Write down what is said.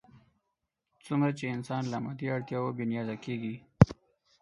څومره چې انسان له مادي اړتیاوو بې نیازه کېږي.